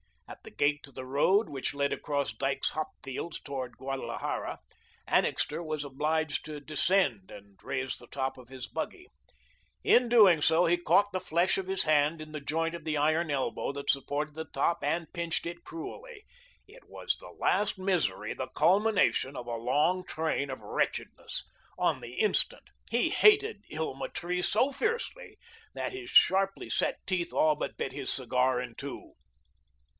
At the gate to the road which led across Dyke's hop fields toward Guadalajara, Annixter was obliged to descend and raise the top of the buggy. In doing so he caught the flesh of his hand in the joint of the iron elbow that supported the top and pinched it cruelly. It was the last misery, the culmination of a long train of wretchedness. On the instant he hated Hilma Tree so fiercely that his sharply set teeth all but bit his cigar in two.